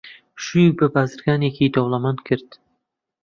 شووی بە بازرگانێکی دەوڵەمەند کرد.